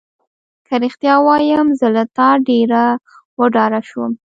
که رښتیا ووایم زه له تا ډېره وډاره شوم.